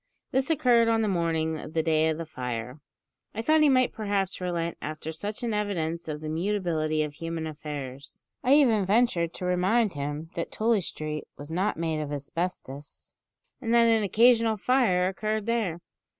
This occurred on the morning of the day of the fire. I thought he might perhaps relent after such an evidence of the mutability of human affairs. I even ventured to remind him that Tooley Street was not made of asbestos, and that an occasional fire occurred there!